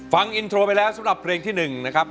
ฟังอินโทรไปแล้วสำหรับเพลงที่๑นะครับ